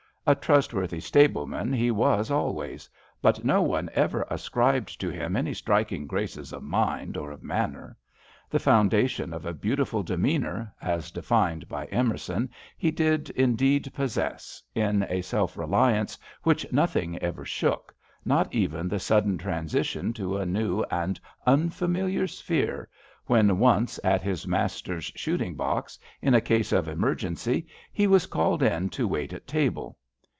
A trustworthy stableman he was always, but no one ever ascribed to him any striking graces of mind or of manner. The foundation of a beautiful demeanour, as defined by Emerson, he did indeed possess, in a self reliance which nothing ever shook, not even the sudden transition to a new and unfamiliar sphere, when once, at his master's shooting 73 HAMPSHIRE VIGNETTES box, in a case of emergency, he was called in to wait at table.